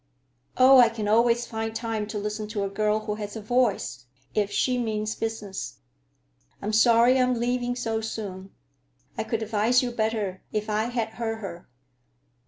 "Oh, I can always find time to listen to a girl who has a voice, if she means business. I'm sorry I'm leaving so soon. I could advise you better if I had heard her.